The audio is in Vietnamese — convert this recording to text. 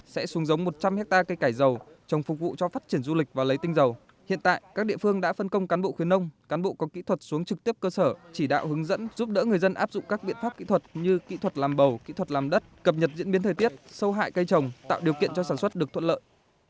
sẽ xuống giống một trăm linh hectare cây cải dầu trồng phục vụ cho phát triển du lịch và lấy tinh dầu hiện tại các địa phương đã phân công cán bộ khuyến nông cán bộ có kỹ thuật xuống trực tiếp cơ sở chỉ đạo hướng dẫn giúp đỡ người dân áp dụng các biện pháp kỹ thuật như kỹ thuật làm bầu kỹ thuật làm đất cập nhật diễn biến thời tiết sâu hại cây trồng tạo điều kiện cho sản xuất được thuận lợi